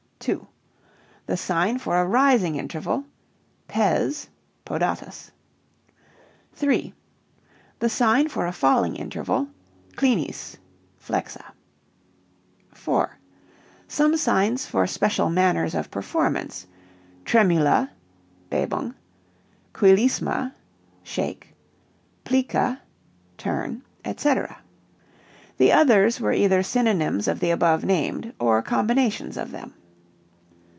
(2) The sign for a rising interval: Pes (Podatus). (3) The sign for a falling interval: Clinis (Flexa). (4) Some signs for special manners of performance: Tremula (Bebung), Quilisma (shake), Plica (turn), etc. The others were either synonyms of the above named or combinations of them...."